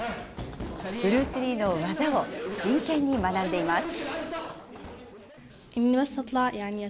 ブルース・リーの技を真剣に学んでいます。